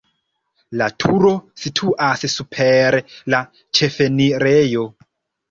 La turo situas super la ĉefenirejo.